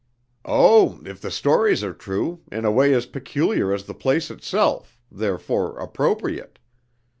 "Oh, if the stories are true, in a way as peculiar as the place itself, therefore appropriate.